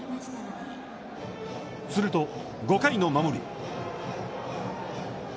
すると５回の守り。